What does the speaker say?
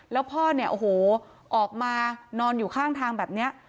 แล้วพ่อออกมานอนอยู่ข้างทางแบบนี้